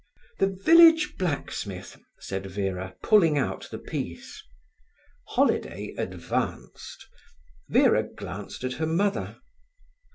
"'The Village Blacksmith'," said Vera, pulling out the piece. Holiday advanced. Vera glanced at her mother.